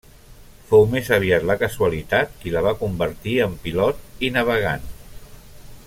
Fou més aviat la casualitat qui la va convertir en pilot i navegant.